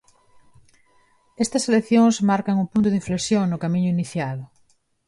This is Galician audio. Estas eleccións marcan un punto de inflexión no camiño iniciado.